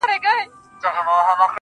دا عجيبه شانې هنر دی زما زړه پر لمبو_